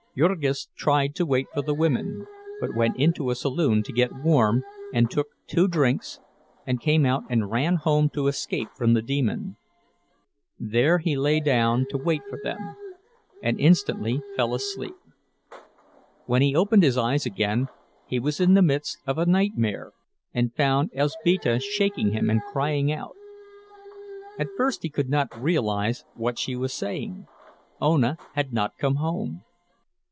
Jurgis tried to wait for the women, but went into a saloon to get warm, and took two drinks, and came out and ran home to escape from the demon; there he lay down to wait for them, and instantly fell asleep. When he opened his eyes again he was in the midst of a nightmare, and found Elzbieta shaking him and crying out. At first he could not realize what she was saying—Ona had not come home.